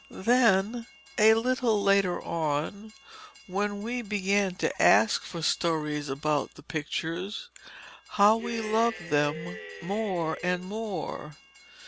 Then a little later on, when we began to ask for stories about the pictures, how we loved them more and more.